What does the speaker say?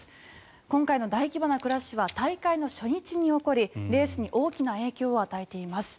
今回の大規模なクラッシュは大会の初日に起こりレースに大きな影響を与えています。